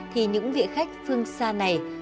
thì những vị khách phương xa này